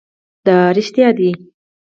دا رښتیا ده